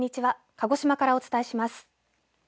鹿児島からお伝えします。